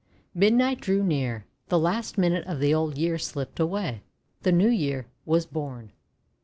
Midnight drew near, — the last minute of the Old Year slipped away, the New Year was born.